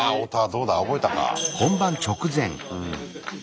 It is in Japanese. どうだ覚えたか？